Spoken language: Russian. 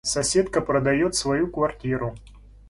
Соседка продаёт свою квартиру.